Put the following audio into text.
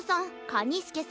カニスケさん